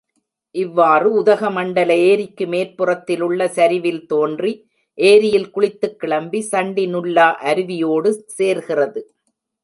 இவ்வாறு உதகமண்டல ஏரிக்கு மேற்புறத்திலுள்ள சரிவில் தோன்றி, ஏரியில் குளித்துக் கிளம்பி, சண்டி நுல்லா அருவியோடு சேர்கிறது.